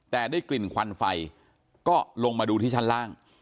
แต่ได้กลิ่นควันไฟก็ลงมาดูที่ชั้นล่าง